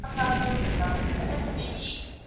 که وخت وي، مرسته کوم!!